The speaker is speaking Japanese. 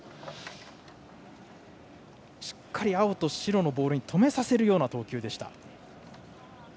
しっかり青と白のボールに止めさせるような投球でした。